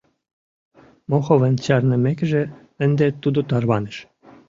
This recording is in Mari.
Моховын чарнымекыже, ынде тудо тарваныш.